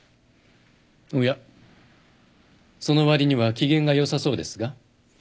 おやそのわりには機嫌が良さそうですが。